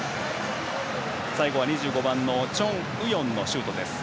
最後は２５番のチョン・ウヨンのシュート。